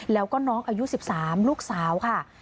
แล้วก็น้องอายุ๑๓ลูกสาวค่ะ